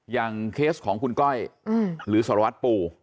อย่างเคสของคุณก้อยหรือสระวัตรปู